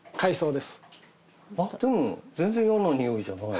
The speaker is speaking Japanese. でも全然嫌なにおいじゃない。